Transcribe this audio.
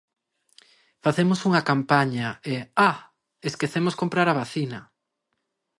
Facemos unha campaña e, ¡ah!, esquecemos comprar a vacina.